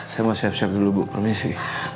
saya mau siap siap dulu bu permisi